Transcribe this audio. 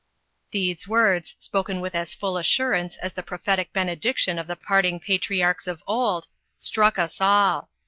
These words, spoken with as full assurance as the prophetic benediction of the departing patriarchs of old, struck us all.